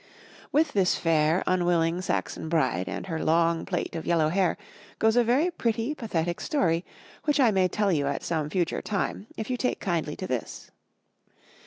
With this fair, unwilling Saxon bride and her long plait of yellow hair goes a very pretty, pathetic story, which I may tell you at some future time if you take kindly to this.